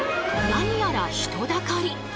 何やら人だかり！